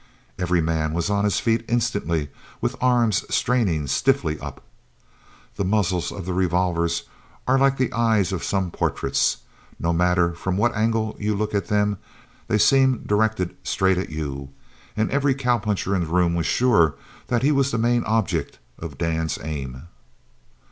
Every man was on his feet instantly, with arms straining stiffly up. The muzzles of revolvers are like the eyes of some portraits. No matter from what angle you look at them, they seem directed straight at you. And every cowpuncher in the room was sure that he was the main object of Dan's aim.